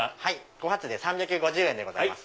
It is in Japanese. ５発で３５０円でございます。